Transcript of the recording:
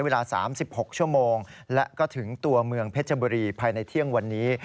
และก็ถึงตัวเมืองเพชรบุรีภายในที่วันนี้